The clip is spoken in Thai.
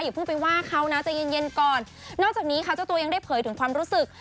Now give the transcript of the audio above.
เพิ่งไปว่าเขานะใจเย็นเย็นก่อนนอกจากนี้ค่ะเจ้าตัวยังได้เผยถึงความรู้สึก